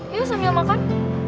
ya sambil makan